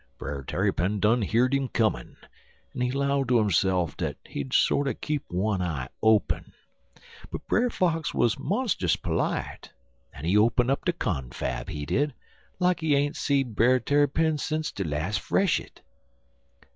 Brer Tarrypin done heerd 'im comin', en he 'low ter hisse'f dat he'd sorter keep one eye open; but Brer Fox wuz monstus perlite, en he open up de confab, he did, like he ain't see Brer Tarrypin sence de las' freshit.